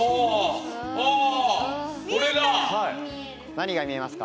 何が見えますか？